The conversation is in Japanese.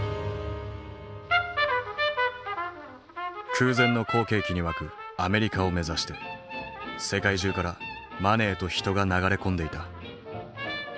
空前の好景気に沸くアメリカを目指して世界中からマネーと人が流れ込んでいた。